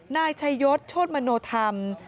นายชัยยศโชธมโนธรรม